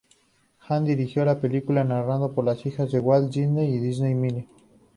Hahn dirigió la película, narrado por la hija de Walt Disney, Disney Miller.